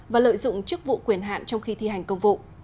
và lợi dụng chức vụ quyền hạn trong khi thi hành công vụ